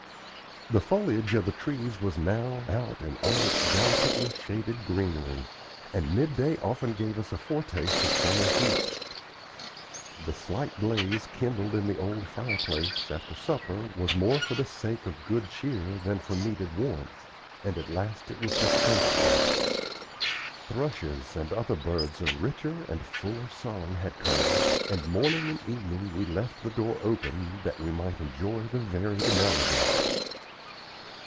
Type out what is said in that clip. The foliage of the trees was now out in all its delicately shaded greenery, and midday often gave us a foretaste of summer heat. The slight blaze kindled in the old fireplace, after supper, was more for the sake of good cheer than for needed warmth, and at last it was dispensed with. Thrushes and other birds of richer and fuller song had come, and morning and evening we left the door open that we might enjoy the varied melody.